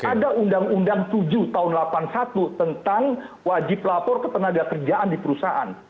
ada undang undang tujuh tahun seribu sembilan ratus delapan puluh satu tentang wajib lapor ketenaga kerjaan di perusahaan